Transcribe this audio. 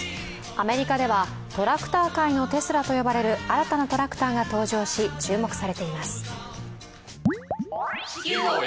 アメリカではトラクター界のテスラと呼ばれる新たなトラクターが登場し、注目されています。